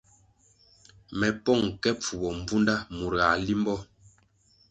Me pong ke pfubo mbvunda mur ga limbo.